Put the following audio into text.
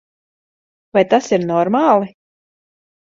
Vai tas ir normāli?